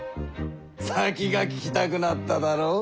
先が聞きたくなっただろう。